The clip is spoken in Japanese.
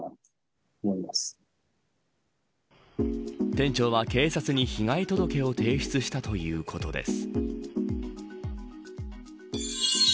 店長は警察に被害届を提出したということです。